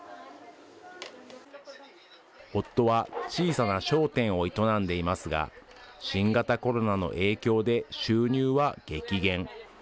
夫は小さな商店を営んでいますが、新型コロナの影響で収入は激減。